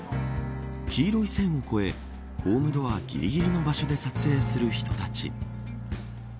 黄色い線を越えホームドアぎりぎりの場所で撮影する人たち。